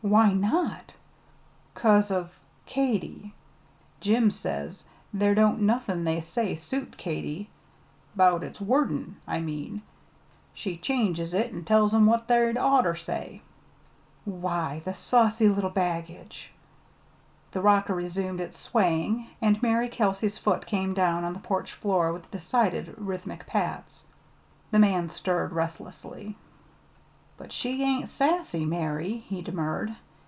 why not?" "'Cause of Katy. Jim says there don't nothin' they say suit Katy 'bout its wordin', I mean. She changes it an' tells 'em what they'd orter said." "Why, the saucy little baggage!" the rocker resumed its swaying, and Mary Kelsey's foot came down on the porch floor with decided, rhythmic pats. The man stirred restlessly. "But she ain't sassy, Mary," he demurred.